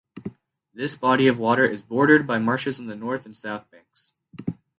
This body of water is bordered by marshes on the north and south banks.